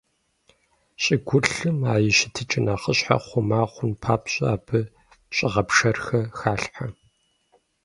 ЩӀыгулъым а и щытыкӀэ нэхъыщхьэр хъума хъун папщӀэ, абы щӀыгъэпшэрхэр халъхьэ.